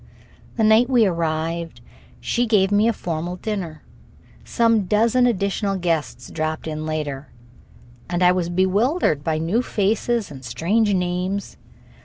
The night we arrived she gave me a formal dinner. Some dozen additional guests dropped in later, and I was bewildered by new faces and strange names.